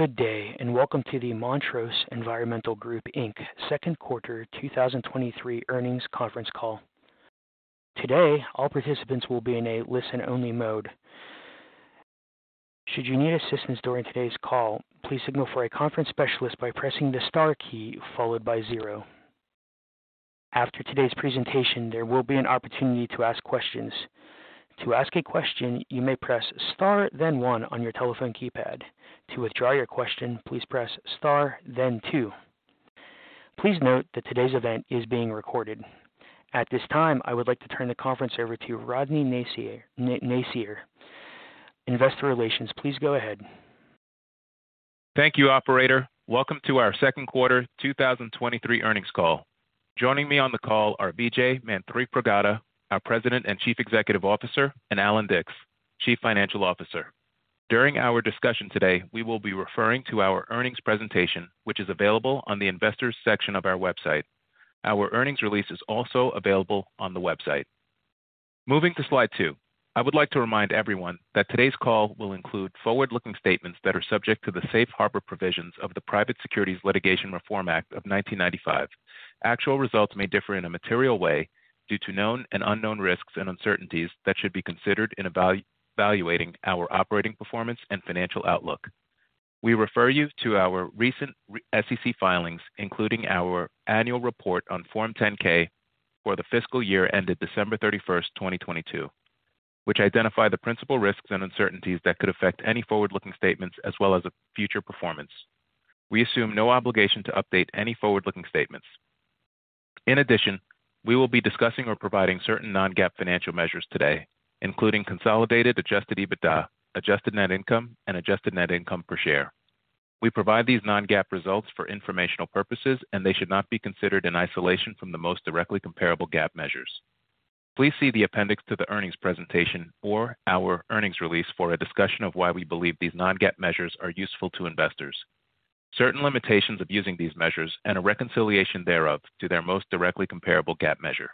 Good day, welcome to the Montrose Environmental Group Inc. Second Quarter 2023 Earnings Conference Call. Today, all participants will be in a listen-only mode. Should you need assistance during today's call, please signal for a conference specialist by pressing the Star key followed by zero. After today's presentation, there will be an opportunity to ask questions. To ask a question, you may press Star, then one on your telephone keypad. To withdraw your question, please press Star, then two. Please note that today's event is being recorded. At this time, I would like to turn the conference over to Rodny Nacier, Investor Relations. Please go ahead. Thank you, operator. Welcome to our second quarter 2023 earnings call. Joining me on the call are Vijay Manthripragada, our President and Chief Executive Officer, and Allan Dicks, Chief Financial Officer. During our discussion today, we will be referring to our earnings presentation, which is available on the Investors section of our website. Our earnings release is also available on the website. Moving to slide 2, I would like to remind everyone that today's call will include forward-looking statements that are subject to the safe harbor provisions of the Private Securities Litigation Reform Act of 1995. Actual results may differ in a material way due to known and unknown risks and uncertainties that should be considered in evaluating our operating performance and financial outlook. We refer you to our recent SEC filings, including our annual report on Form 10-K for the fiscal year ended December 31, 2022, which identify the principal risks and uncertainties that could affect any forward-looking statements as well as future performance. We assume no obligation to update any forward-looking statements. In addition, we will be discussing or providing certain non-GAAP financial measures today, including Consolidated Adjusted EBITDA, Adjusted Net Income, and Adjusted Net Income per Share. We provide these non-GAAP results for informational purposes, and they should not be considered in isolation from the most directly comparable GAAP measures. Please see the appendix to the earnings presentation or our earnings release for a discussion of why we believe these non-GAAP measures are useful to investors, certain limitations of using these measures, and a reconciliation thereof to their most directly comparable GAAP measure.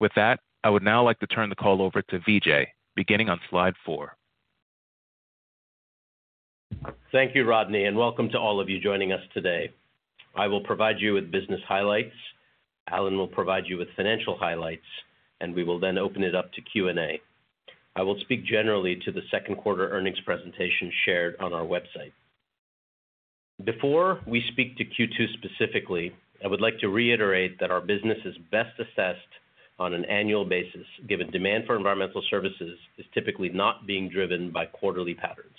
With that, I would now like to turn the call over to Vijay, beginning on slide 4. Thank you, Rodny. Welcome to all of you joining us today. I will provide you with business highlights. Allan will provide you with financial highlights. We will then open it up to Q&A. I will speak generally to the second quarter earnings presentation shared on our website. Before we speak to Q2 specifically, I would like to reiterate that our business is best assessed on an annual basis, given demand for environmental services is typically not being driven by quarterly patterns.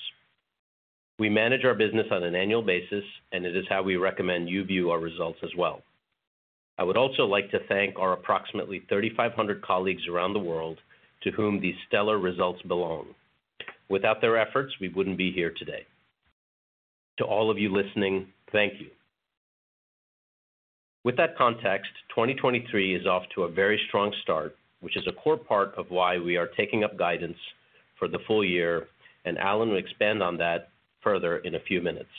We manage our business on an annual basis. It is how we recommend you view our results as well. I would also like to thank our approximately 3,500 colleagues around the world to whom these stellar results belong. Without their efforts, we wouldn't be here today. To all of you listening, thank you. With that context, 2023 is off to a very strong start, which is a core part of why we are taking up guidance for the full year. Allan will expand on that further in a few minutes.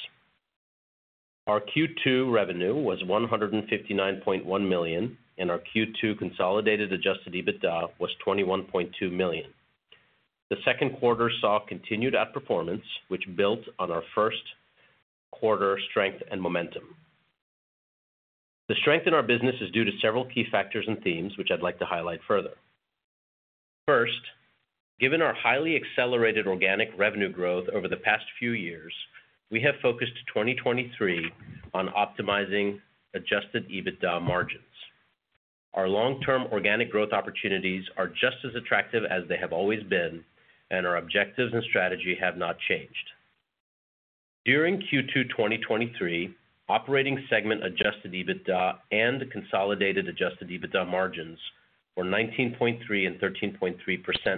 Our Q2 revenue was $159.1 million. Our Q2 Consolidated Adjusted EBITDA was $21.2 million. The second quarter saw continued outperformance, which built on our first quarter strength and momentum. The strength in our business is due to several key factors and themes, which I'd like to highlight further. First, given our highly accelerated organic revenue growth over the past few years, we have focused 2023 on optimizing Adjusted EBITDA margins. Our long-term organic growth opportunities are just as attractive as they have always been. Our objectives and strategy have not changed. During Q2 2023, operating segment Adjusted EBITDA and consolidated Adjusted EBITDA margins were 19.3% and 13.3%,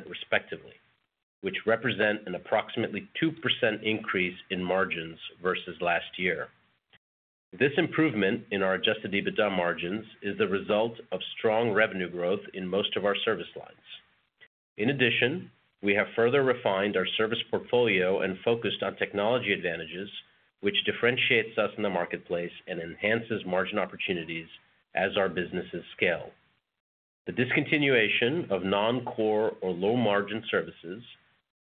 respectively, which represent an approximately 2% increase in margins versus last year. This improvement in our Adjusted EBITDA margins is the result of strong revenue growth in most of our service lines. In addition, we have further refined our service portfolio and focused on technology advantages, which differentiates us in the marketplace and enhances margin opportunities as our businesses scale. The discontinuation of non-core or low-margin services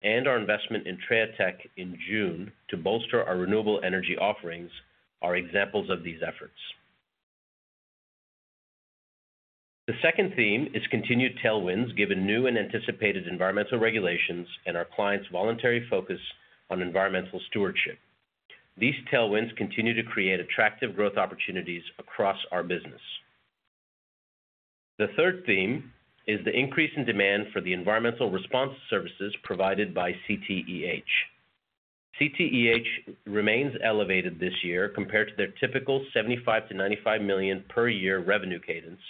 and our investment in TreaTech in June to bolster our renewable energy offerings are examples of these efforts. The second theme is continued tailwinds, given new and anticipated environmental regulations and our clients' voluntary focus on environmental stewardship. These tailwinds continue to create attractive growth opportunities across our business. The third theme is the increase in demand for the environmental response services provided by CTEH. CTEH remains elevated this year compared to their typical $75 million-$95 million per year revenue cadence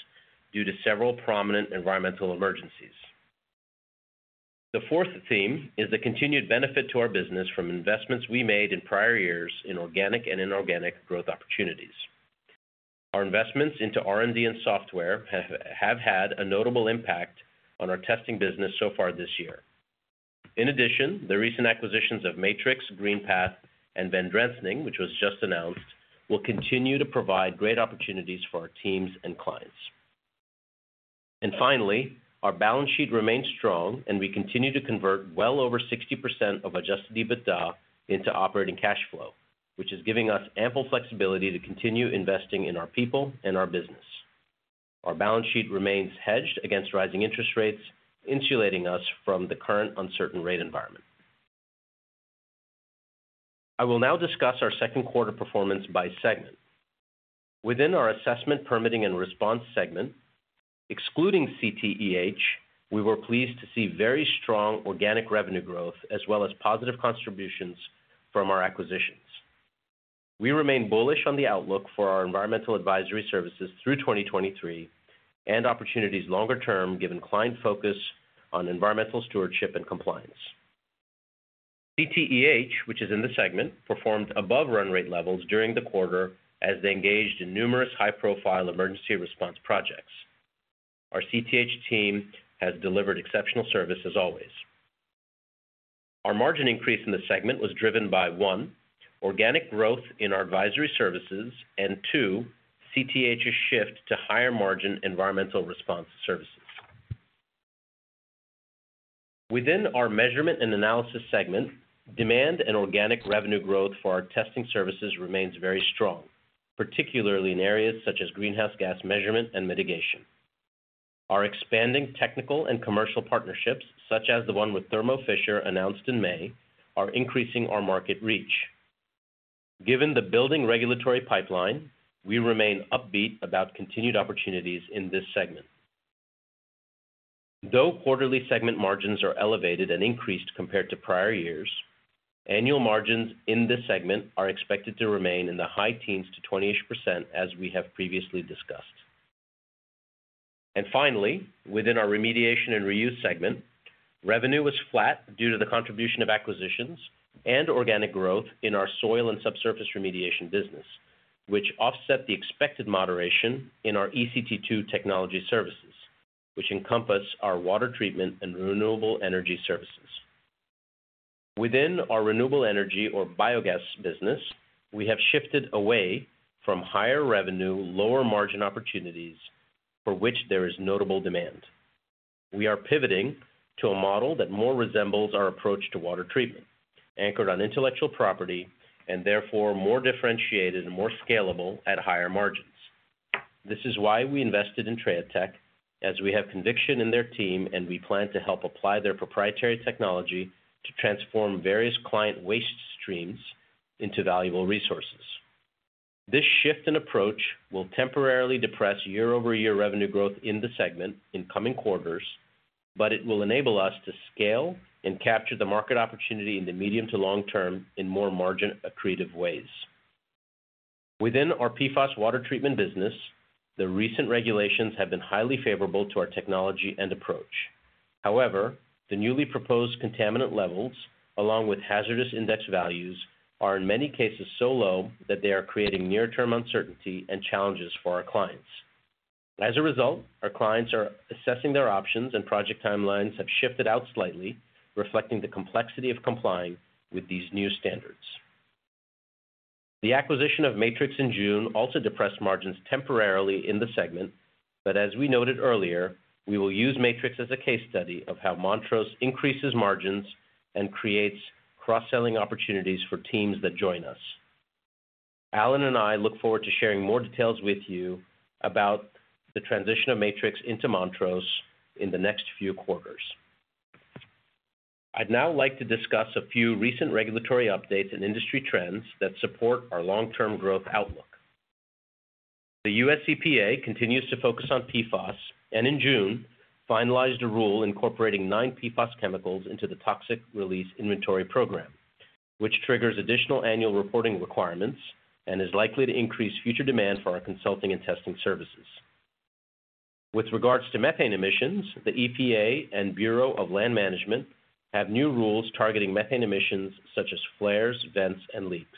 due to several prominent environmental emergencies. The fourth theme is the continued benefit to our business from investments we made in prior years in organic and inorganic growth opportunities. Our investments into R&D and software have had a notable impact on our testing business so far this year. The recent acquisitions of Matrix, GreenPath, and Vandrensning, which was just announced, will continue to provide great opportunities for our teams and clients. Finally, our balance sheet remains strong, and we continue to convert well over 60% of adjusted EBITDA into operating cash flow, which is giving us ample flexibility to continue investing in our people and our business. Our balance sheet remains hedged against rising interest rates, insulating us from the current uncertain rate environment. I will now discuss our second quarter performance by segment. Within our Assessment, Permitting and Response segment, excluding CTEH, we were pleased to see very strong organic revenue growth as well as positive contributions from our acquisitions. We remain bullish on the outlook for our environmental advisory services through 2023 and opportunities longer term, given client focus on environmental stewardship and compliance. CTEH, which is in the segment, performed above run rate levels during the quarter as they engaged in numerous high-profile emergency response projects. Our CTEH team has delivered exceptional service as always. Our margin increase in the segment was driven by, 1, organic growth in our advisory services, and 2, CTEH's shift to higher margin environmental response services. Within our Measurement and Analysis segment, demand and organic revenue growth for our testing services remains very strong, particularly in areas such as greenhouse gas measurement and mitigation. Our expanding technical and commercial partnerships, such as the one with Thermo Fisher, announced in May, are increasing our market reach. Given the building regulatory pipeline, we remain upbeat about continued opportunities in this segment. Though quarterly segment margins are elevated and increased compared to prior years, annual margins in this segment are expected to remain in the high teens to 20-ish %, as we have previously discussed. Finally, within our Remediation and Reuse segment, revenue was flat due to the contribution of acquisitions and organic growth in our soil and subsurface remediation business, which offset the expected moderation in our ECT2 technology services, which encompass our water treatment and renewable energy services. Within our renewable energy or biogas business, we have shifted away from higher revenue, lower margin opportunities for which there is notable demand. We are pivoting to a model that more resembles our approach to water treatment, anchored on intellectual property and therefore more differentiated and more scalable at higher margins. This is why we invested in TreaTech, as we have conviction in their team and we plan to help apply their proprietary technology to transform various client waste streams into valuable resources. This shift in approach will temporarily depress year-over-year revenue growth in the segment in coming quarters, but it will enable us to scale and capture the market opportunity in the medium to long term in more margin accretive ways. Within our PFAS water treatment business, the recent regulations have been highly favorable to our technology and approach. However, the newly proposed contaminant levels, along with Hazard Index values, are in many cases so low that they are creating near-term uncertainty and challenges for our clients. As a result, our clients are assessing their options, and project timelines have shifted out slightly, reflecting the complexity of complying with these new standards. The acquisition of Matrix in June also depressed margins temporarily in the segment, but as we noted earlier, we will use Matrix as a case study of how Montrose increases margins and creates cross-selling opportunities for teams that join us. Allan and I look forward to sharing more details with you about the transition of Matrix into Montrose in the next few quarters. I'd now like to discuss a few recent regulatory updates and industry trends that support our long-term growth outlook. The U.S. EPA continues to focus on PFAS, and in June, finalized a rule incorporating 9 PFAS chemicals into the Toxics Release Inventory program, which triggers additional annual reporting requirements and is likely to increase future demand for our consulting and testing services. With regards to methane emissions, the EPA and Bureau of Land Management have new rules targeting methane emissions such as flares, vents, and leaks.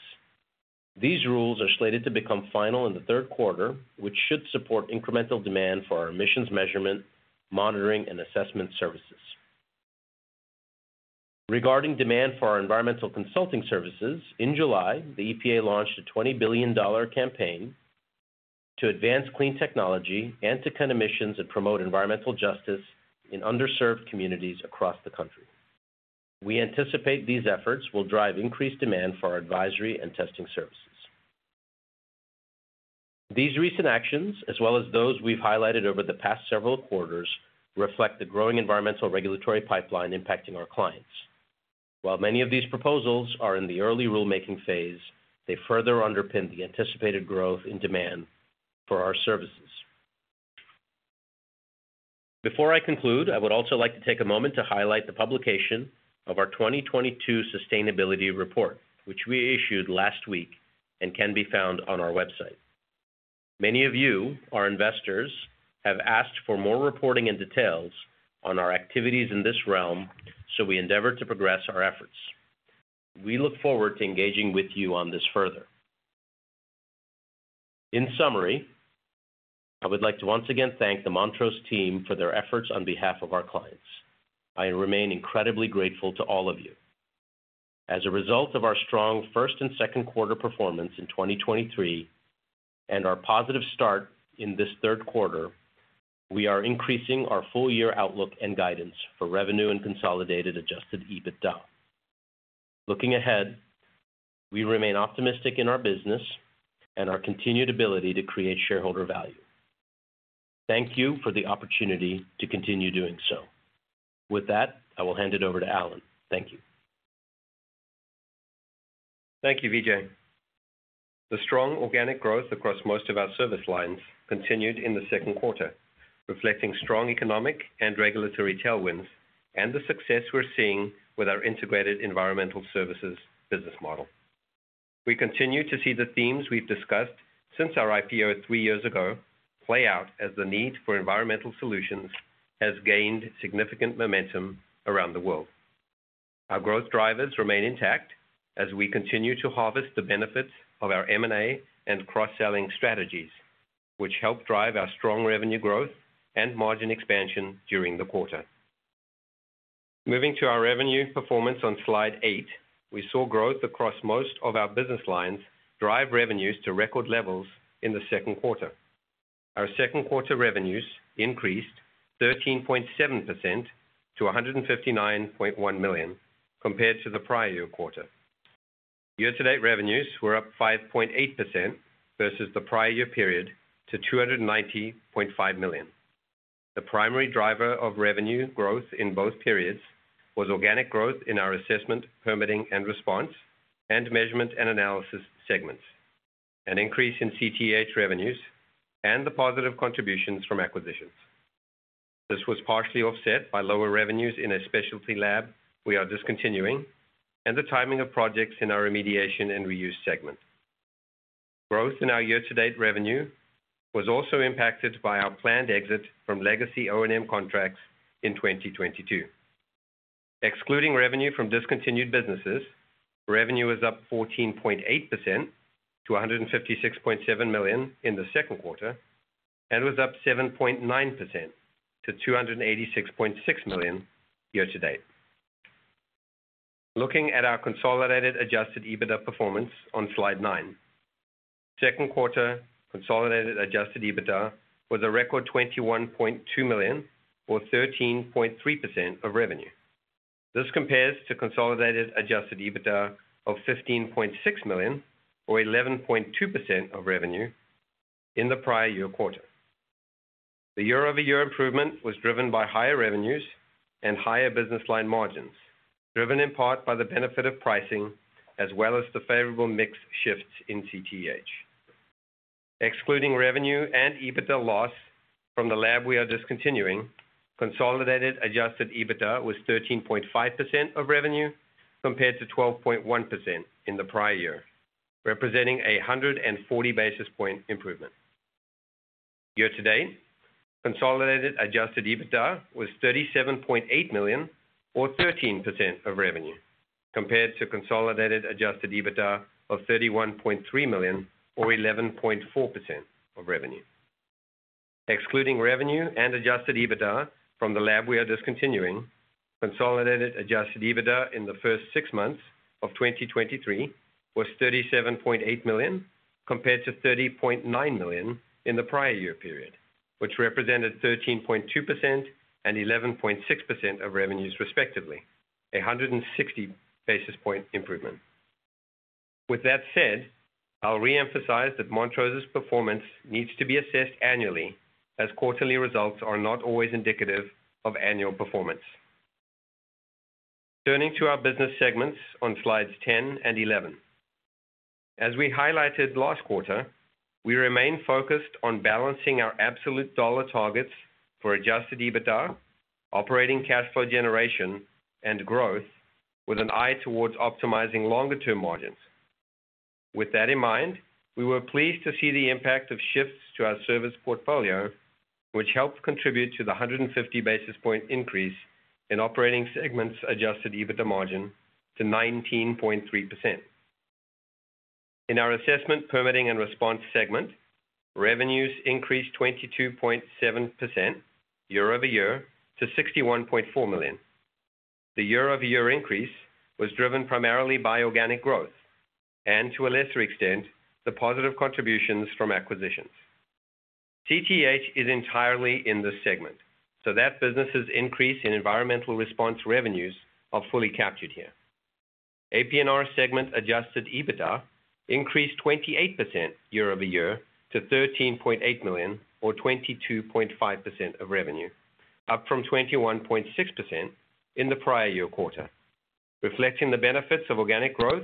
These rules are slated to become final in the third quarter, which should support incremental demand for our emissions measurement, monitoring, and assessment services. Regarding demand for our environmental consulting services, in July, the EPA launched a $20 billion campaign to advance clean technology and to cut emissions and promote environmental justice in underserved communities across the country. We anticipate these efforts will drive increased demand for our advisory and testing services. These recent actions, as well as those we've highlighted over the past several quarters, reflect the growing environmental regulatory pipeline impacting our clients. While many of these proposals are in the early rulemaking phase, they further underpin the anticipated growth in demand for our services. Before I conclude, I would also like to take a moment to highlight the publication of our 2022 sustainability report, which we issued last week and can be found on our website. Many of you, our investors, have asked for more reporting and details on our activities in this realm, so we endeavor to progress our efforts. We look forward to engaging with you on this further. In summary, I would like to once again thank the Montrose team for their efforts on behalf of our clients. I remain incredibly grateful to all of you.... As a result of our strong first and second quarter performance in 2023, and our positive start in this third quarter, we are increasing our full year outlook and guidance for revenue and Consolidated Adjusted EBITDA. Looking ahead, we remain optimistic in our business and our continued ability to create shareholder value. Thank you for the opportunity to continue doing so. With that, I will hand it over to Allan. Thank you. Thank you, Vijay. The strong organic growth across most of our service lines continued in the second quarter, reflecting strong economic and regulatory tailwinds, and the success we're seeing with our integrated environmental services business model. We continue to see the themes we've discussed since our IPO three years ago, play out as the need for environmental solutions has gained significant momentum around the world. Our growth drivers remain intact as we continue to harvest the benefits of our M&A and cross-selling strategies, which helped drive our strong revenue growth and margin expansion during the quarter. Moving to our revenue performance on Slide 8, we saw growth across most of our business lines drive revenues to record levels in the second quarter. Our second quarter revenues increased 13.7% to $159.1 million compared to the prior year quarter. Year-to-date revenues were up 5.8% versus the prior year period to $290.5 million. The primary driver of revenue growth in both periods was organic growth in our Assessment, Permitting and Response, and Measurement and Analysis segments, an increase in CTEH revenues, and the positive contributions from acquisitions. This was partially offset by lower revenues in a specialty lab we are discontinuing, and the timing of projects in our Remediation and Reuse segment. Growth in our year-to-date revenue was also impacted by our planned exit from legacy O&M contracts in 2022. Excluding revenue from discontinued businesses, revenue was up 14.8% to $156.7 million in the second quarter, and was up 7.9% to $286.6 million year-to-date. Looking at our Consolidated Adjusted EBITDA performance on Slide 9. Second quarter Consolidated Adjusted EBITDA was a record $21.2 million, or 13.3% of revenue. This compares to Consolidated Adjusted EBITDA of $15.6 million or 11.2% of revenue in the prior year quarter. The year-over-year improvement was driven by higher revenues and higher business line margins, driven in part by the benefit of pricing as well as the favorable mix shifts in CTEH. Excluding revenue and EBITDA loss from the lab we are discontinuing, Consolidated Adjusted EBITDA was 13.5% of revenue, compared to 12.1% in the prior year, representing a 140 basis point improvement. Year to date, Consolidated Adjusted EBITDA was $37.8 million or 13% of revenue, compared to Consolidated Adjusted EBITDA of $31.3 million or 11.4% of revenue. Excluding revenue and Adjusted EBITDA from the lab we are discontinuing, Consolidated Adjusted EBITDA in the first six months of 2023 was $37.8 million, compared to $30.9 million in the prior year period, which represented 13.2% and 11.6% of revenues, respectively, a 160 basis point improvement. With that said, I'll reemphasize that Montrose's performance needs to be assessed annually, as quarterly results are not always indicative of annual performance. Turning to our business segments on Slides 10 and 11. As we highlighted last quarter, we remain focused on balancing our absolute dollar targets for Adjusted EBITDA, operating cash flow generation, and growth, with an eye towards optimizing longer-term margins. With that in mind, we were pleased to see the impact of shifts to our service portfolio, which helped contribute to the 150 basis point increase in operating segments Adjusted EBITDA margin to 19.3%. In our Assessment, Permitting and Response segment, revenues increased 22.7% year-over-year to $61.4 million. The year-over-year increase was driven primarily by organic growth and, to a lesser extent, the positive contributions from acquisitions. CTEH is entirely in this segment, so that business's increase in environmental response revenues are fully captured here. APNR segment Adjusted EBITDA increased 28% year-over-year to $13.8 million, or 22.5% of revenue, up from 21.6% in the prior year quarter, reflecting the benefits of organic growth,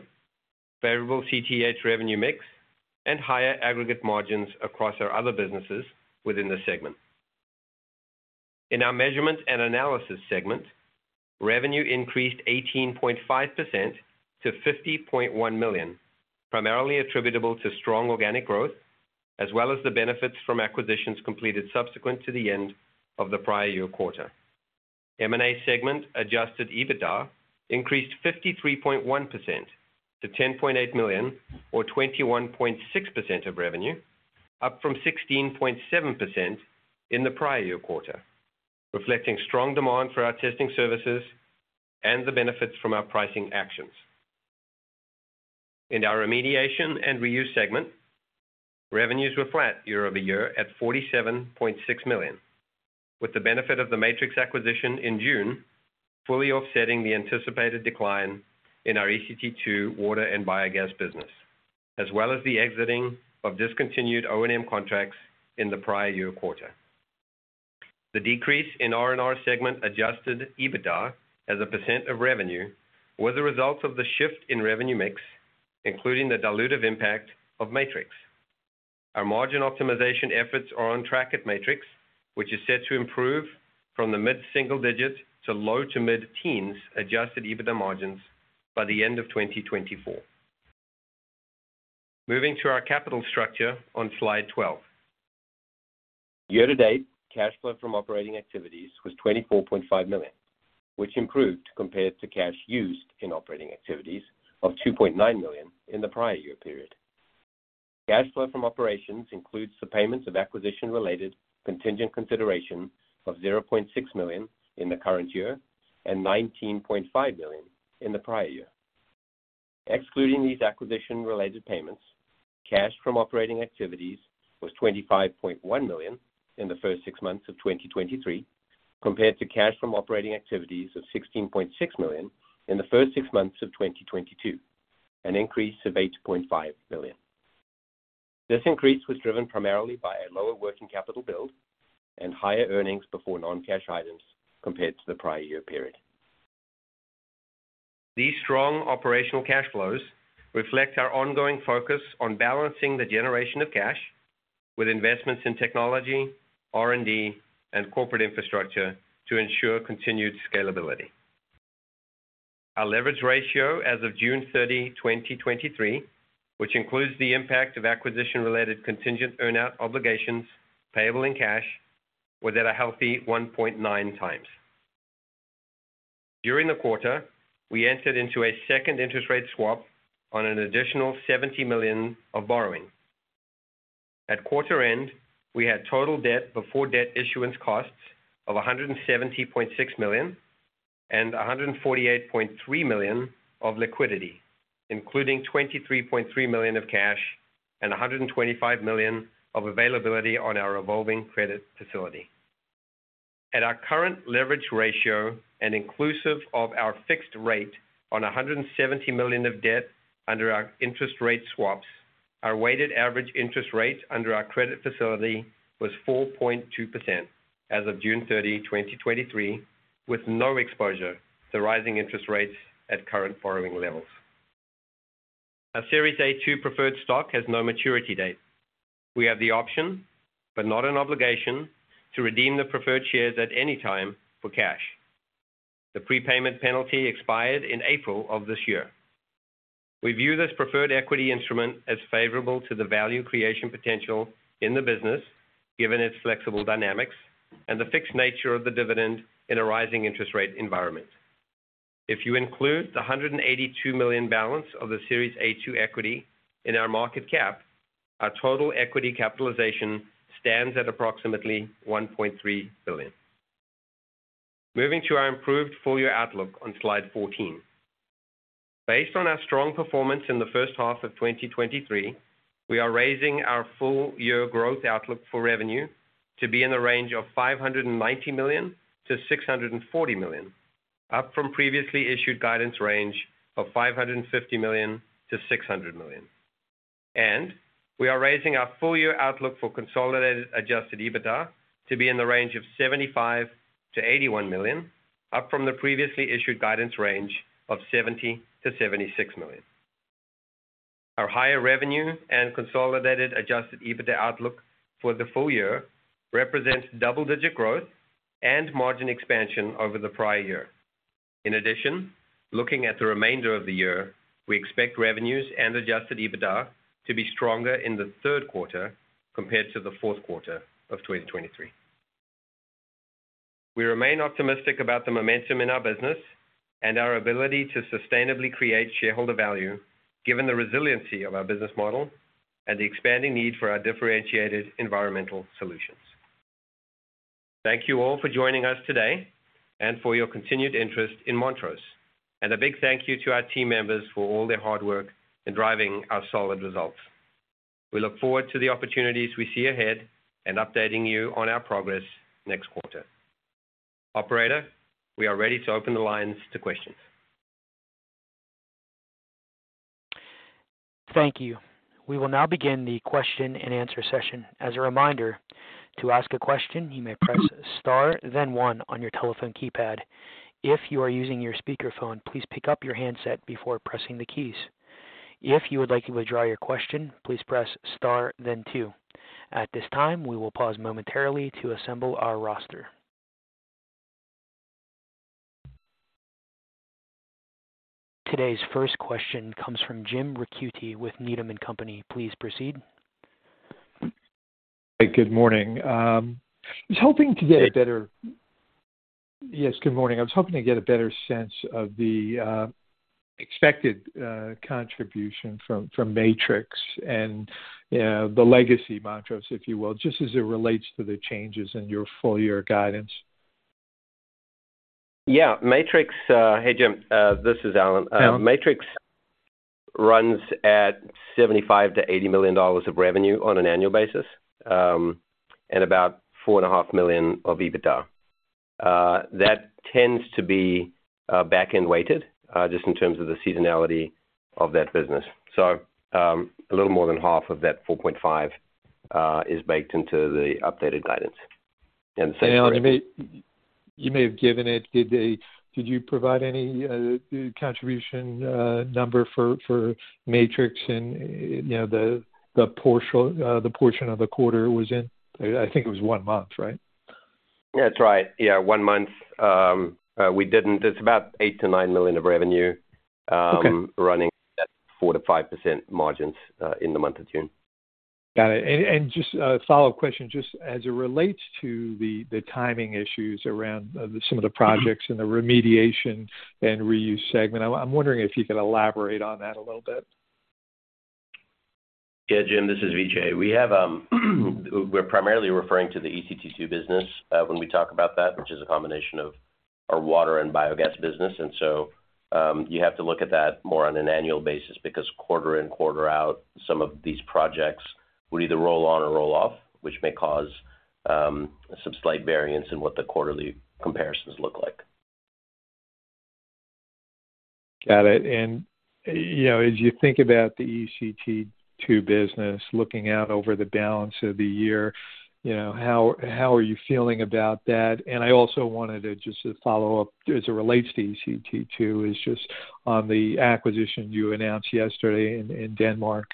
favorable CTEH revenue mix, and higher aggregate margins across our other businesses within the segment. In our Measurement and Analysis segment, revenue increased 18.5% to $50.1 million, primarily attributable to strong organic growth, as well as the benefits from acquisitions completed subsequent to the end of the prior year quarter. M&A segment Adjusted EBITDA increased 53.1% to $10.8 million, or 21.6% of revenue, up from 16.7% in the prior year quarter. reflecting strong demand for our testing services and the benefits from our pricing actions. In our Remediation and Reuse segment, revenues were flat year-over-year at $47.6 million, with the benefit of the Matrix acquisition in June, fully offsetting the anticipated decline in our ECT2 water and biogas business, as well as the exiting of discontinued O&M contracts in the prior year quarter. The decrease in R&R segment Adjusted EBITDA as a % of revenue was a result of the shift in revenue mix, including the dilutive impact of Matrix. Our margin optimization efforts are on track at Matrix, which is set to improve from the mid-single digits to low to mid-teens Adjusted EBITDA margins by the end of 2024. Moving to our capital structure on Slide 12. Year-to-date, cash flow from operating activities was $24.5 million, which improved compared to cash used in operating activities of $2.9 million in the prior year period. Cash flow from operations includes the payments of acquisition-related contingent consideration of $0.6 million in the current year and $19.5 million in the prior year. Excluding these acquisition-related payments, cash from operating activities was $25.1 million in the first six months of 2023, compared to cash from operating activities of $16.6 million in the first six months of 2022, an increase of $8.5 million. This increase was driven primarily by a lower working capital build and higher earnings before non-cash items compared to the prior year period. These strong operational cash flows reflect our ongoing focus on balancing the generation of cash with investments in technology, R&D, and corporate infrastructure to ensure continued scalability. Our leverage ratio as of June 30, 2023, which includes the impact of acquisition-related contingent earn-out obligations payable in cash, was at a healthy 1.9 times. During the quarter, we entered into a second interest rate swap on an additional $70 million of borrowing. At quarter end, we had total debt before debt issuance costs of $170.6 million and $148.3 million of liquidity, including $23.3 million of cash and $125 million of availability on our revolving credit facility. At our current leverage ratio and inclusive of our fixed rate on $170 million of debt under our interest rate swaps, our weighted average interest rate under our credit facility was 4.2% as of June 30, 2023, with no exposure to rising interest rates at current borrowing levels. Our Series A-2 preferred stock has no maturity date. We have the option, but not an obligation, to redeem the preferred shares at any time for cash. The prepayment penalty expired in April of this this year. We view this preferred equity instrument as favorable to the value creation potential in the business, given its flexible dynamics and the fixed nature of the dividend in a rising interest rate environment. If you include the $182 million balance of the Series A-2 equity in our market cap, our total equity capitalization stands at approximately $1.3 billion. Moving to our improved full year outlook on Slide 14. Based on our strong performance in the first half of 2023, we are raising our full year growth outlook for revenue to be in the range of $590 million-$640 million, up from previously issued guidance range of $550 million-$600 million. We are raising our full year outlook for Consolidated Adjusted EBITDA to be in the range of $75 million-$81 million, up from the previously issued guidance range of $70 million-$76 million. Our higher revenue and Consolidated Adjusted EBITDA outlook for the full year represents double-digit growth and margin expansion over the prior year. In addition, looking at the remainder of the year, we expect revenues and Adjusted EBITDA to be stronger in the third quarter compared to the fourth quarter of 2023. We remain optimistic about the momentum in our business and our ability to sustainably create shareholder value, given the resiliency of our business model and the expanding need for our differentiated environmental solutions. Thank you all for joining us today and for your continued interest in Montrose. A big thank you to our team members for all their hard work in driving our solid results. We look forward to the opportunities we see ahead and updating you on our progress next quarter. Operator, we are ready to open the lines to questions. Thank you. We will now begin the question and answer session. As a reminder, to ask a question, you may press Star, then one on your telephone keypad. If you are using your speakerphone, please pick up your handset before pressing the keys. If you would like to withdraw your question, please press Star then two. At this time, we will pause momentarily to assemble our roster. Today's first question comes from Jim Ricchiuti with Needham & Company. Please proceed. Good morning. Yes, good morning. I was hoping to get a better sense of the expected contribution from, from Matrix and the legacy Montrose, if you will, just as it relates to the changes in your full year guidance. Yeah, Matrix, Hey, Jim, this is Allan. Allan. Matrix runs at $75 million-$80 million of revenue on an annual basis, and about $4.5 million of EBITDA. That tends to be back-end weighted, just in terms of the seasonality of that business. A little more than half of that 4.5 is baked into the updated guidance. The same for- You may, you may have given it. Did the, did you provide any contribution number for, for Matrix and, you know, the, the portion, the portion of the quarter it was in? I think it was 1 month, right? Yeah, that's right. Yeah, 1 month. It's about $8 million-$9 million of revenue- Okay running at 4-5% margins, in the month of June. Got it. Just a follow-up question, just as it relates to the timing issues around some of the projects and the Remediation and Reuse segment, I'm, I'm wondering if you could elaborate on that a little bit. Yeah, Jim, this is Vijay. We have, we're primarily referring to the ECT2 business, when we talk about that, which is a combination of our water and biogas business. So, you have to look at that more on an annual basis because quarter in, quarter out, some of these projects would either roll on or roll off, which may cause, some slight variance in what the quarterly comparisons look like. Got it. You know, as you think about the ECT2 business, looking out over the balance of the year, you know, how, how are you feeling about that? I also wanted to just to follow up, as it relates to ECT2, is just on the acquisition you announced yesterday in, in Denmark.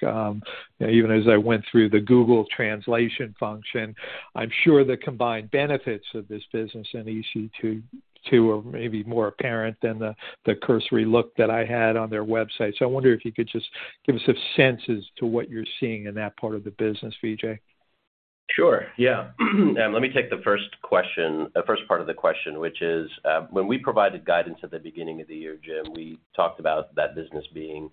Even as I went through the Google translation function, I'm sure the combined benefits of this business in ECT2 are maybe more apparent than the, the cursory look that I had on their website. I wonder if you could just give us a sense as to what you're seeing in that part of the business, Vijay. Sure. Yeah. Let me take the first question, the first part of the question, which is, when we provided guidance at the beginning of the year, Jim, we talked about that business being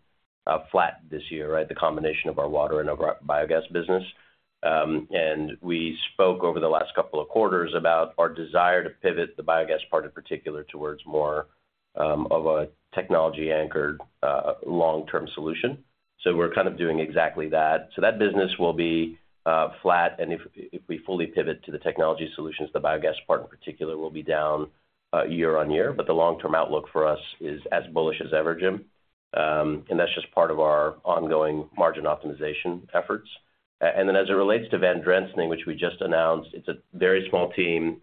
flat this year, right? The combination of our water and our biogas business. We spoke over the last couple of quarters about our desire to pivot the biogas part, in particular, towards more of a technology-anchored, long-term solution. We're kind of doing exactly that. That business will be flat, and if, if we fully pivot to the technology solutions, the biogas part, in particular, will be down year on year. The long-term outlook for us is as bullish as ever, Jim. And that's just part of our ongoing margin optimization efforts. As it relates to Vandrensning, which we just announced, it's a very small team,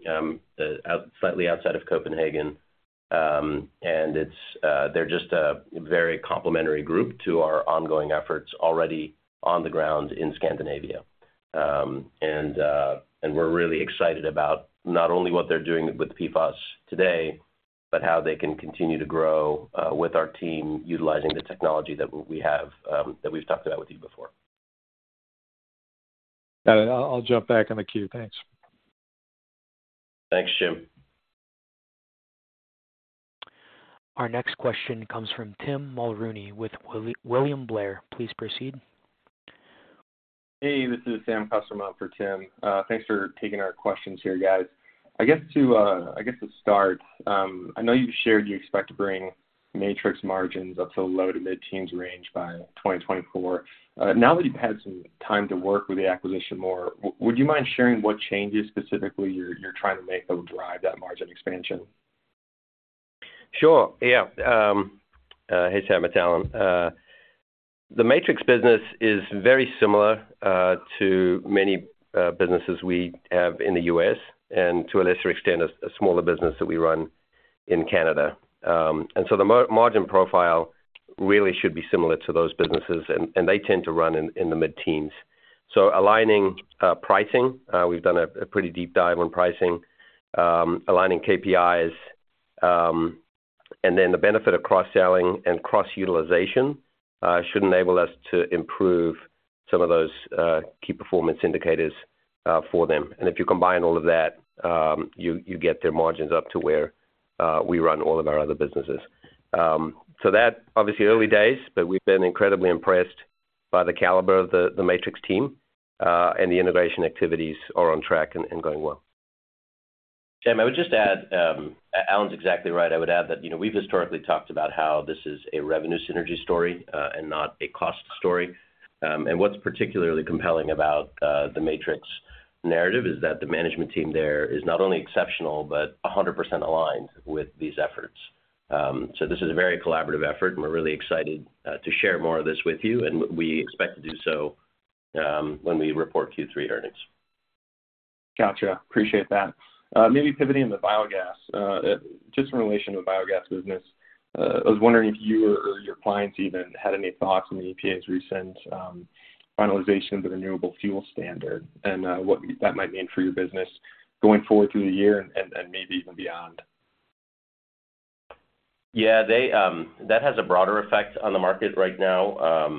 slightly outside of Copenhagen, and they're just a very complementary group to our ongoing efforts already on the ground in Scandinavia. We're really excited about not only what they're doing with PFAS today, but how they can continue to grow with our team, utilizing the technology that we have that we've talked about with you before. Got it. I'll jump back on the queue. Thanks. Thanks, Jim. Our next question comes from Tim Mulrooney with William Blair. Please proceed. Hey, this is Sam Kusswurm up for Tim Mulrooney. Thanks for taking our questions here, guys. I guess to start, I know you've shared you expect to bring Matrix margins up to a low to mid-teens range by 2024. Now that you've had some time to work with the acquisition more, would you mind sharing what changes specifically you're trying to make that drive that margin expansion? Sure. Yeah. Hey, Sam, it's Allan. The Matrix business is very similar to many businesses we have in the U.S. and to a lesser extent, a smaller business that we run in Canada. The margin profile really should be similar to those businesses, and they tend to run in the mid-teens. Aligning pricing, we've done a pretty deep dive on pricing, aligning KPIs, and then the benefit of cross-selling and cross-utilization should enable us to improve some of those Key Performance Indicators for them. If you combine all of that, you get their margins up to where we run all of our other businesses. That obviously early days, but we've been incredibly impressed by the caliber of the Matrix team, and the innovation activities are on track and going well. Sam, I would just add, Allan's exactly right. I would add that, you know, we've historically talked about how this is a revenue synergy story, and not a cost story. What's particularly compelling about the Matrix narrative is that the management team there is not only exceptional, but 100% aligned with these efforts. This is a very collaborative effort, and we're really excited to share more of this with you, and we expect to do so when we report Q3 earnings. Gotcha. Appreciate that. Maybe pivoting to the biogas. Just in relation to the biogas business, I was wondering if you or, or your clients even had any thoughts on the EPA's recent finalization of the Renewable Fuel Standard and what that might mean for your business going forward through the year and, and, maybe even beyond? Yeah, they, that has a broader effect on the market right now,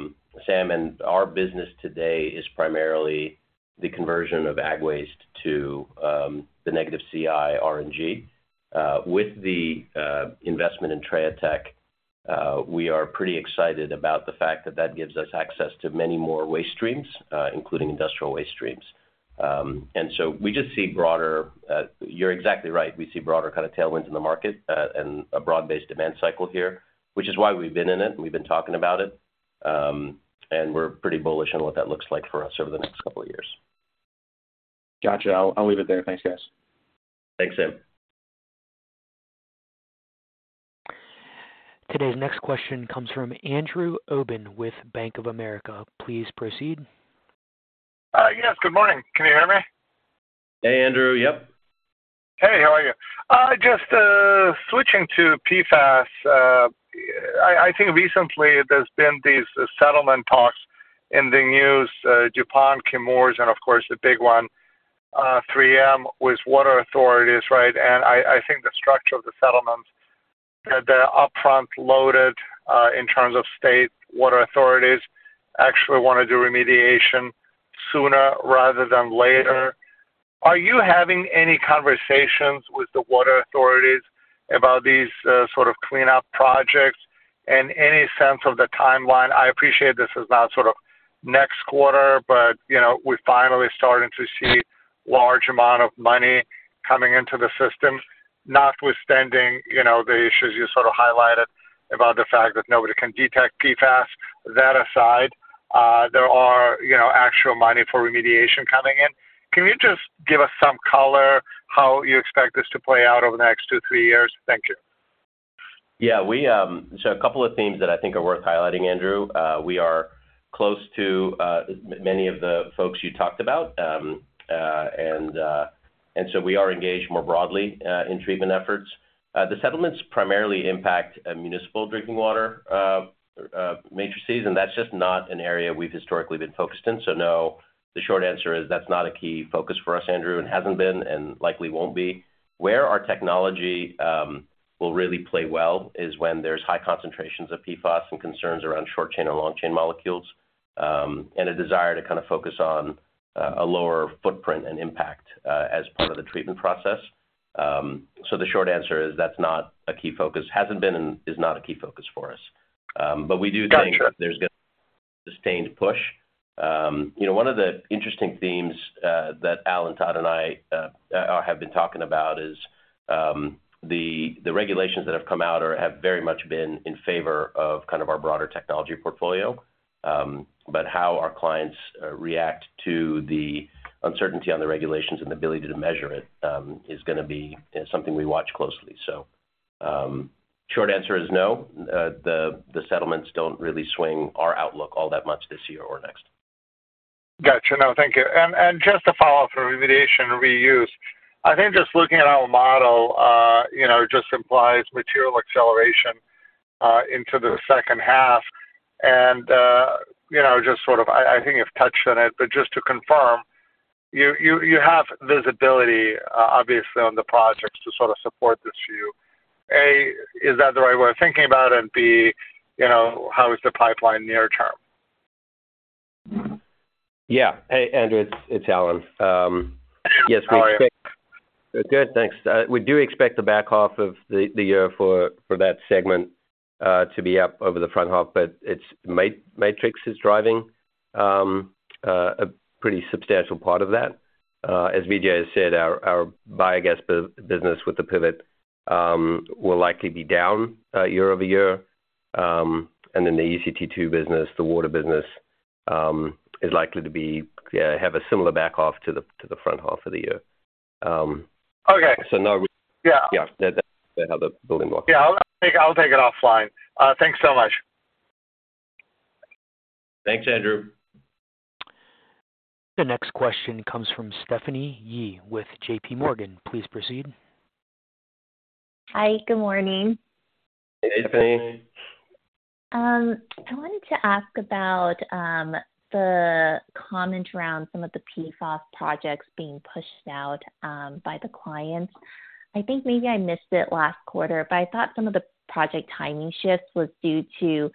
Sam, our business today is primarily the conversion of ag waste to, the negative CI RNG. With the investment in TreaTech, we are pretty excited about the fact that that gives us access to many more waste streams, including industrial waste streams. So we just see broader, you're exactly right, we see broader kind of tailwinds in the market, and a broad-based demand cycle here, which is why we've been in it, and we've been talking about it. We're pretty bullish on what that looks like for us over the next couple of years. Gotcha. I'll leave it there. Thanks, guys. Thanks, Sam. Today's next question comes from Andrew Obin with Bank of America. Please proceed. Yes, good morning. Can you hear me? Hey, Andrew. Yep. Hey, how are you? Just switching to PFAS. I think recently there's been these settlement talks in the news, DuPont, Chemours, and of course, the big one, 3M, with water authorities, right? I think the structure of the settlements, that they're upfront loaded, in terms of state water authorities actually want to do remediation sooner rather than later. Are you having any conversations with the water authorities about these sort of cleanup projects and any sense of the timeline? I appreciate this is not sort of next quarter, but, you know, we're finally starting to see large amount of money coming into the system, notwithstanding, you know, the issues you sort of highlighted about the fact that nobody can detect PFAS. That aside, there are, you know, actual money for remediation coming in. Can you just give us some color how you expect this to play out over the next two, three years? Thank you. Yeah, we. A couple of themes that I think are worth highlighting, Andrew. We are close to many of the folks you talked about. We are engaged more broadly in treatment efforts. The settlements primarily impact municipal drinking water matrices, and that's just not an area we've historically been focused in. No, the short answer is that's not a key focus for us, Andrew, and hasn't been and likely won't be. Where our technology will really play well is when there's high concentrations of PFAS and concerns around short-chain or long-chain molecules, and a desire to kind of focus on a lower footprint and impact as part of the treatment process. The short answer is that's not a key focus. Hasn't been and is not a key focus for us. we do- Got you. Think there's gonna be a sustained push. You know, one of the interesting themes, that Allan, Todd, and I, have been talking about is, the, the regulations that have come out are, have very much been in favor of kind of our broader technology portfolio. How our clients, react to the uncertainty on the regulations and the ability to measure it, is gonna be, you know, something we watch closely. Short answer is no. The, the settlements don't really swing our outlook all that much this year or next. Got you. No, thank you. Just to follow up for Remediation Reuse, I think just looking at our model, you know, just implies material acceleration into the second half. You know, just sort of I, I think you've touched on it, but just to confirm, you, you, you have visibility obviously on the projects to sort of support this view. A, is that the right way of thinking about it? B, you know, how is the pipeline near term? Yeah. Hey, Andrew, it's, it's Allan. Yes, we- How are you? Good, thanks. We do expect the back half of the year for that segment to be up over the front half. It's Matrix is driving, a pretty substantial part of that. As Vijay has said, our biogas business with the Pivot, will likely be down, year over year. Then the ECT2 business, the water business, is likely to be, have a similar back half to the front half of the year. Okay. So no- Yeah. Yeah, that, that how the building block. Yeah, I'll take, I'll take it offline. Thanks so much. Thanks, Andrew. The next question comes from Stephanie Yee with J.P. Morgan. Please proceed. Hi, good morning. Hey, Stephanie. I wanted to ask about the comment around some of the PFAS projects being pushed out by the clients. I think maybe I missed it last quarter, but I thought some of the project timing shifts was due to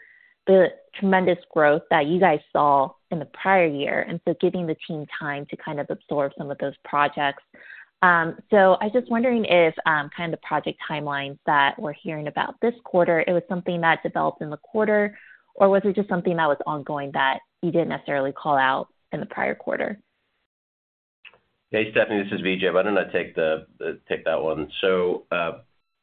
the tremendous growth that you guys saw in the prior year, giving the team time to kind of absorb some of those projects. I was just wondering if kind of the project timelines that we're hearing about this quarter, it was something that developed in the quarter, or was it just something that was ongoing that you didn't necessarily call out in the prior quarter? Hey, Stephanie, this is Vijay. Why don't I take the, take that one?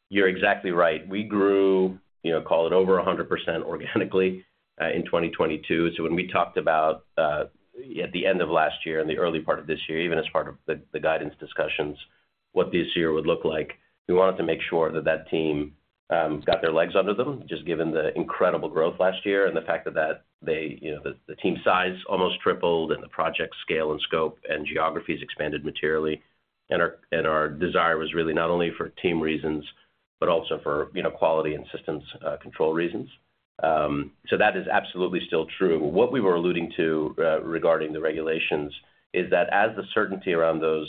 You're exactly right. We grew, you know, call it over 100% organically, in 2022. When we talked about, at the end of last year and the early part of this year, even as part of the, the guidance discussions, what this year would look like, we wanted to make sure that that team got their legs under them, just given the incredible growth last year and the fact that, that they, you know, the, the team size almost tripled and the project scale and scope and geographies expanded materially. Our desire was really not only for team reasons, but also for, you know, quality and systems, control reasons. That is absolutely still true. What we were alluding to, regarding the regulations is that as the certainty around those,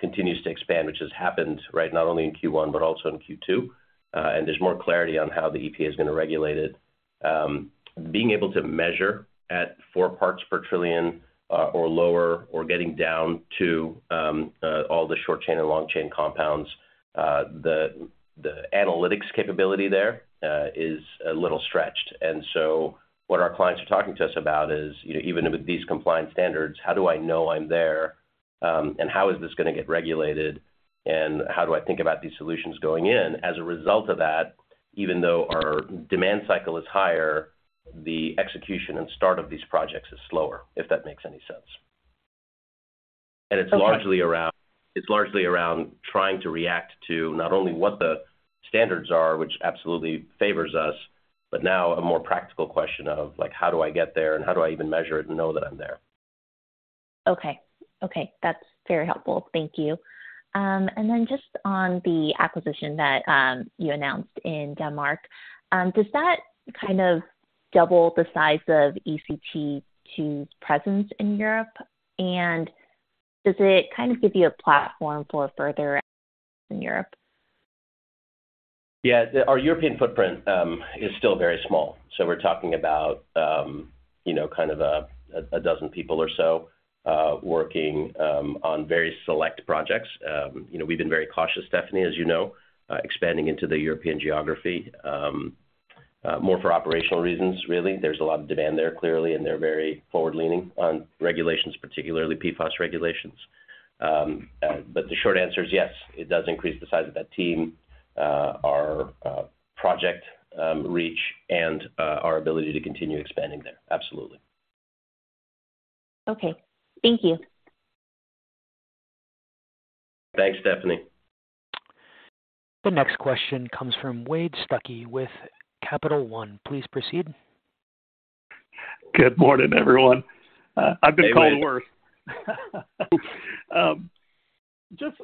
continues to expand, which has happened, right, not only in Q1 but also in Q2, and there's more clarity on how the EPA is going to regulate it. Being able to measure at 4 parts per trillion, or lower or getting down to, all the short-chain and long-chain compounds, the, the analytics capability there, is a little stretched. What our clients are talking to us about is, you know, even with these compliance standards, how do I know I'm there? How is this going to get regulated? How do I think about these solutions going in? A result of that, even though our demand cycle is higher, the execution and start of these projects is slower, if that makes any sense. Okay. It's largely around, it's largely around trying to react to not only what the standards are, which absolutely favors us, but now a more practical question of, like, how do I get there, and how do I even measure it and know that I'm there? Okay. Okay, that's very helpful. Thank you. Just on the acquisition that, you announced in Denmark, does that kind of double the size of ECT2's presence in Europe? Does it kind of give you a platform for further in Europe? Yeah, our European footprint is still very small. We're talking about, you know, kind of a 12 people or so, working on very select projects. You know, we've been very cautious, Stephanie, as you know, expanding into the European geography, more for operational reasons, really. There's a lot of demand there, clearly, and they're very forward-leaning on regulations, particularly PFAS regulations. The short answer is yes, it does increase the size of that team, our project, reach, and our ability to continue expanding there. Absolutely. Okay. Thank you. Thanks, Stephanie. The next question comes from Wade Suki with Capital One. Please proceed. Good morning, everyone. Hey, Wade. I've been called worse. Just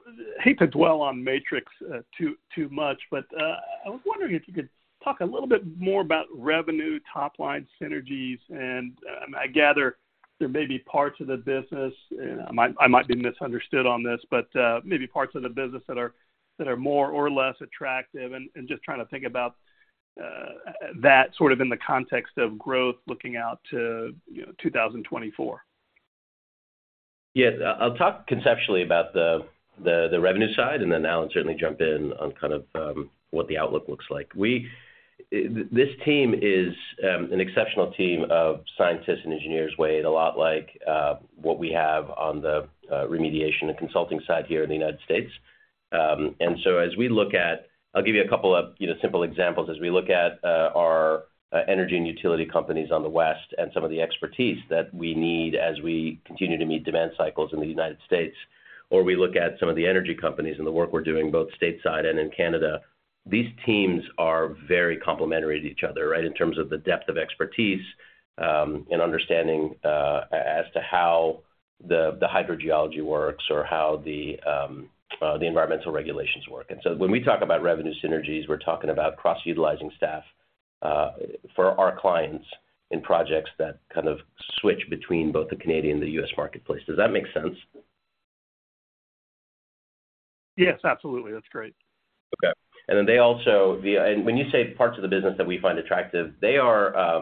hate to dwell on Matrix too, too much, but I was wondering if you could talk a little bit more about revenue, top-line synergies. I gather there may be parts of the business, and I might, I might be misunderstood on this, but maybe parts of the business that are, that are more or less attractive. Just trying to think about that sort of in the context of growth looking out to 2024. Yes. I'll talk conceptually about the, the, the revenue side, and then Allan can certainly jump in on kind of, what the outlook looks like. This team is an exceptional team of scientists and engineers, Wade, a lot like, what we have on the remediation and consulting side here in the United States. So as we look at... I'll give you a couple of, you know, simple examples. As we look at our energy and utility companies on the west and some of the expertise that we need as we continue to meet demand cycles in the United States, or we look at some of the energy companies and the work we're doing, both stateside and in Canada, these teams are very complementary to each other, right? In terms of the depth of expertise, and understanding as to how the, the hydrogeology works or how the, the environmental regulations work. When we talk about revenue synergies, we're talking about cross-utilizing staff for our clients in projects that kind of switch between both the Canadian and the U.S. marketplace. Does that make sense? Yes, absolutely. That's great. Okay. They also via-- When you say parts of the business that we find attractive, they are...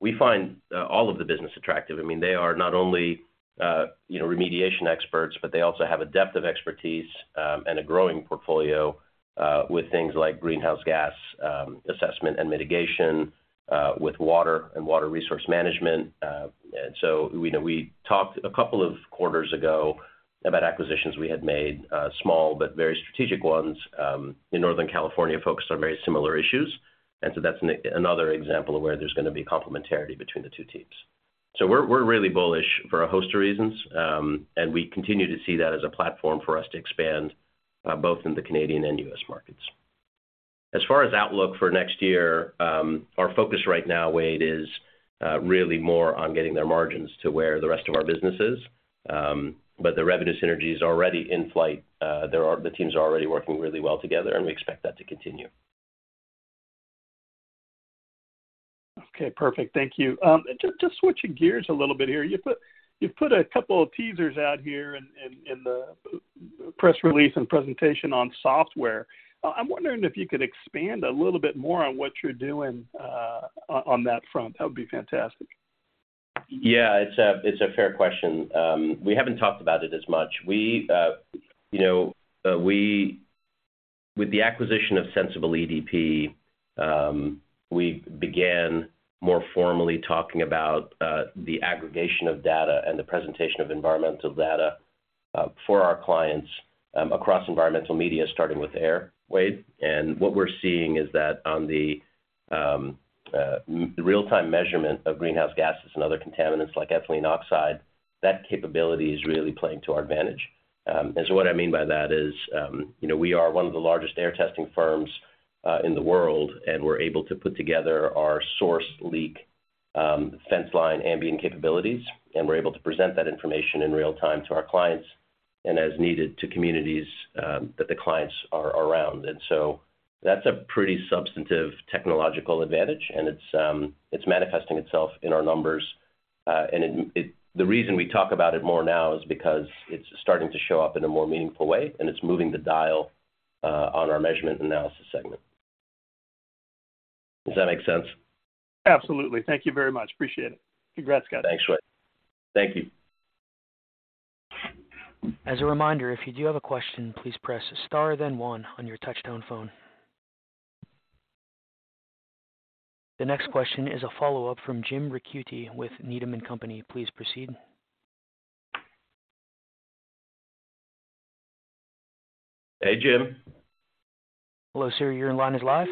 We find all of the business attractive. I mean, they are not only, you know, remediation experts, but they also have a depth of expertise, and a growing portfolio, with things like greenhouse gas, assessment and mitigation, with water and water resource management. We know, we talked 2 quarters ago about acquisitions we had made, small but very strategic ones, in Northern California, focused on very similar issues. That's an, another example of where there's going to be complementarity between the 2 teams. We're, we're really bullish for a host of reasons, and we continue to see that as a platform for us to expand, both in the Canadian and US markets. Far as outlook for next year, our focus right now, Wade, is really more on getting their margins to where the rest of our business is. The revenue synergy is already in flight. The teams are already working really well together, and we expect that to continue. Okay, perfect. Thank you. just, just switching gears a little bit here. You put, you've put a couple of teasers out here in the press release and presentation on software. I'm wondering if you could expand a little bit more on what you're doing on that front? That would be fantastic. Yeah, it's a, it's a fair question. We haven't talked about it as much. We, you know, With the acquisition of Sensible IOT, we began more formally talking about the aggregation of data and the presentation of environmental data for our clients across environmental media, starting with air, Wade. What we're seeing is that on the real-time measurement of greenhouse gases and other contaminants like ethylene oxide, that capability is really playing to our advantage. What I mean by that is, you know, we are one of the largest air testing firms in the world, and we're able to put together our source leak-... fence line ambient capabilities, and we're able to present that information in real time to our clients and as needed, to communities that the clients are around. That's a pretty substantive technological advantage, and it's manifesting itself in our numbers. The reason we talk about it more now is because it's starting to show up in a more meaningful way, and it's moving the dial on our Measurement and Analysis segment. Does that make sense? Absolutely. Thank you very much. Appreciate it. Congrats, guys. Thanks, Wade. Thank you. As a reminder, if you do have a question, please press Star, then 1 on your touchtone phone. The next question is a follow-up from Jim Ricchiuti with Needham and Company. Please proceed. Hey, Jim. Hello, sir. Your line is live.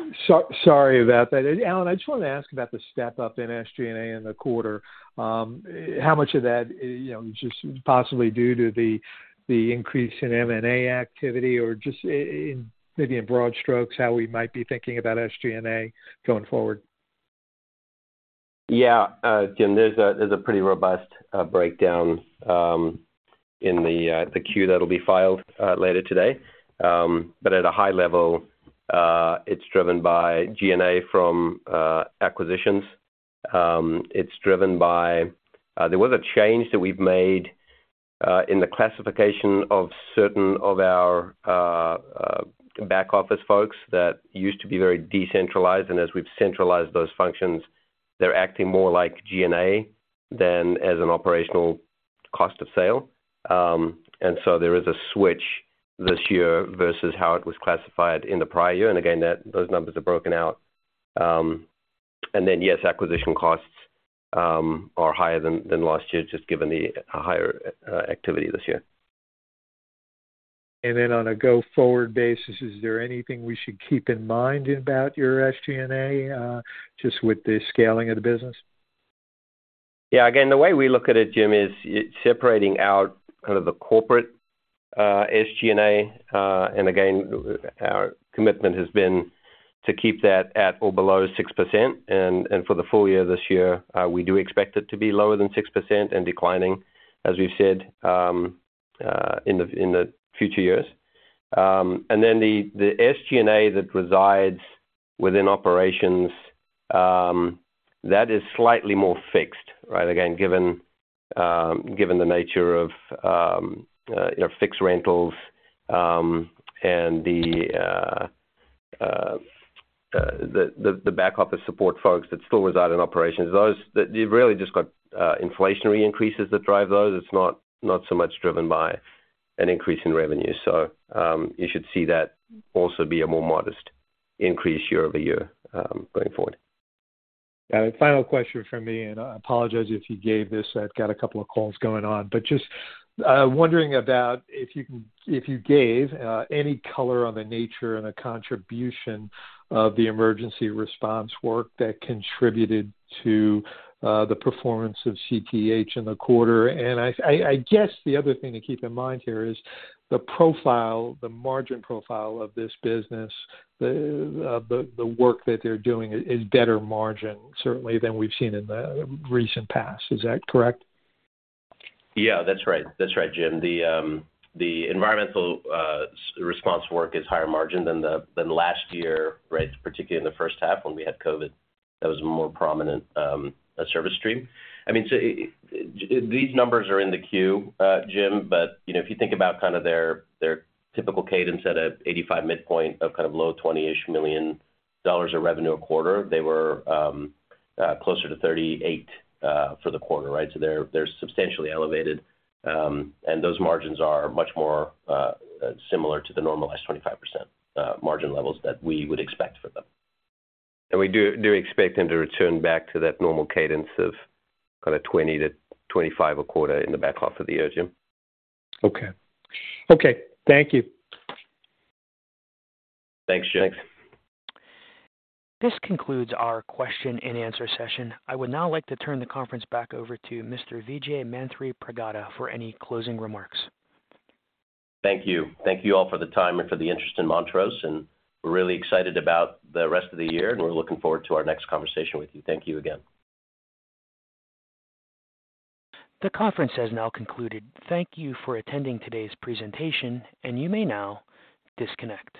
sorry about that. Allan, I just wanted to ask about the step-up in SG&A in the quarter. How much of that is, you know, just possibly due to the, the increase in M&A activity or just in, maybe in broad strokes, how we might be thinking about SG&A going forward? Yeah, Jim, there's a, there's a pretty robust breakdown in the the Q that'll be filed later today. At a high level, it's driven by G&A from acquisitions. It's driven by. There was a change that we've made in the classification of certain of our back office folks that used to be very decentralized, and as we've centralized those functions, they're acting more like G&A than as an operational cost of sale. So there is a switch this year versus how it was classified in the prior year. Again, that-- those numbers are broken out. Then, yes, acquisition costs are higher than, than last year, just given the higher activity this year. Then on a go-forward basis, is there anything we should keep in mind about your SG&A, just with the scaling of the business? Yeah, again, the way we look at it, Jim, is it's separating out kind of the corporate SG&A. Again, our commitment has been to keep that at or below 6%, and, and for the full year this year, we do expect it to be lower than 6% and declining, as we've said, in the future years. The SG&A that resides within operations, that is slightly more fixed, right? Again, given, given the nature of, you know, fixed rentals, and the, the back office support folks that still reside in operations, those, they've really just got inflationary increases that drive those. It's not, not so much driven by an increase in revenue. You should see that also be a more modest increase year-over-year, going forward. Final question from me, and I apologize if you gave this. I've got a couple of calls going on, but just wondering about if you gave any color on the nature and the contribution of the emergency response work that contributed to the performance of CTEH in the quarter. I, I, I guess the other thing to keep in mind here is the profile, the margin profile of this business, the, the work that they're doing is better margin, certainly than we've seen in the recent past. Is that correct? Yeah, that's right. That's right, Jim. The environmental response work is higher margin than last year, right? Particularly in the first half, when we had COVID. That was a more prominent service stream. I mean, these numbers are in the queue, Jim, but, you know, if you think about kind of their typical cadence at an 85 midpoint of kind of low twenty-ish million dollars of revenue a quarter, they were closer to $38 million for the quarter, right? They're substantially elevated, and those margins are much more similar to the normalized 25% margin levels that we would expect for them. We do, do expect them to return back to that normal cadence of kind of 20 to 25 a quarter in the back half of the year, Jim. Okay. Okay, thank you. Thanks, Jim. This concludes our question and answer session. I would now like to turn the conference back over to Mr. Vijay Manthripragada for any closing remarks. Thank you. Thank you all for the time and for the interest in Montrose, and we're really excited about the rest of the year, and we're looking forward to our next conversation with you. Thank you again. The conference has now concluded. Thank you for attending today's presentation. You may now disconnect.